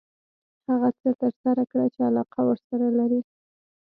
هغه څه ترسره کړه چې علاقه ورسره لري .